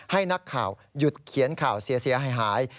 ให้นักข่าวหยุดเขียนข่าวเสียหาย